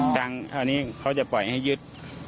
ตั้งเท่านี้เค้าจะปล่อยให้ยึด